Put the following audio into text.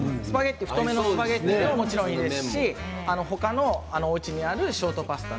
太めのスパゲッティでももちろんいいですし他のおうちにあるショートパスタ